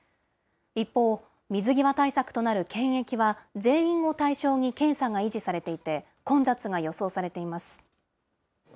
一方、水際対策となる検疫は、全員を対象に検査が維持されていて、混雑が予想されています。